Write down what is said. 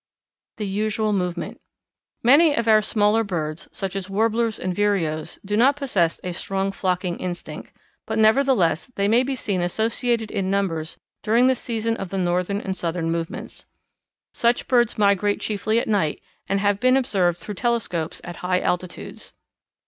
The Usual Movement. Many of our smaller birds, such as Warblers and Vireos, do not possess a strong flocking instinct, but, nevertheless, they may be seen associated in numbers during the season of the northern and southern movements. Such birds migrate chiefly at night and have been observed through telescopes at high altitudes.